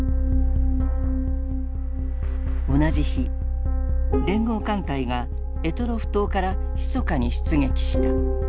同じ日連合艦隊が択捉島からひそかに出撃した。